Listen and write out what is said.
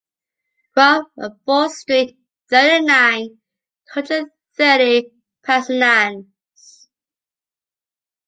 Quart Avaux street, thirty nine, two hundred thirty, Passenans.